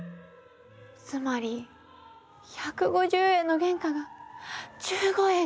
つまり１５０円の原価が１５円に。